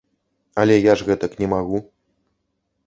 Але я ж гэтак не магу.